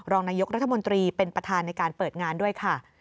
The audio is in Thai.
รองนายกรัฐมนตรีเป็นประธานในการเปิดงานด้วยค่ะ